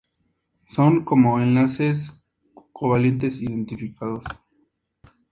Son como enlaces covalentes identificados.